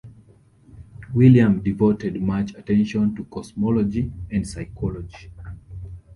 William devoted much attention to cosmology and psychology.